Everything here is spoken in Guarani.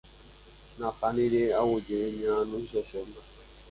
Nahániri aguyje ña Anunciación